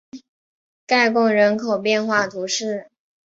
盖贡人口变化图示